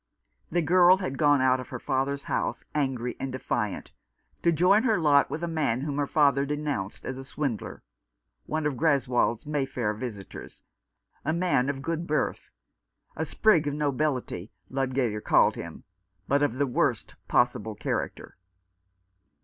The girl had gone out of her father's house, angry and defiant, to join her lot with a man whom her father denounced as a swindler — one of Greswold's Mayfair visitors — a man of good birth — "a sprig of nobility," Ludgater called him, but of the worst possible character.